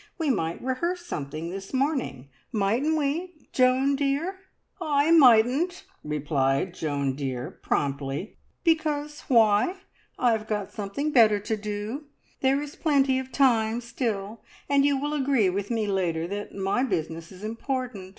We might rehearse something this morning, mightn't we, Joan dear?" "I mightn't!" replied "Joan dear" promptly, "because why? I've got something better to do. There is plenty of time still, and you will agree with me later that my business is important.